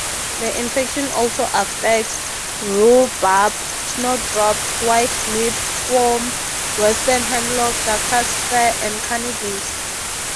The infection also affects rhubarb, snowdrops, white meadowfoam, western hemlock, Douglas-fir and cannabis.